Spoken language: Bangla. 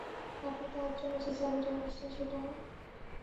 আপনি তার জন্য যে চাবিটা এনেছিলেন সেটা না?